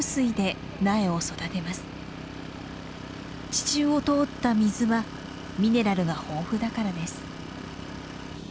地中を通った水はミネラルが豊富だからです。